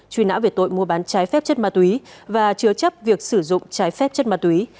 truy nã về tội mua bán trái phép chất ma túy và chứa chấp việc sử dụng trái phép chất ma túy